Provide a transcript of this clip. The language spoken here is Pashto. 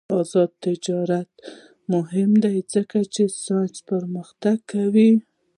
آزاد تجارت مهم دی ځکه چې ساینس پرمختګ کوي.